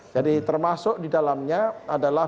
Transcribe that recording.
jadi termasuk di dalamnya adalah